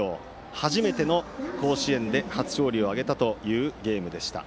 初めての甲子園で初勝利を挙げたゲームでした。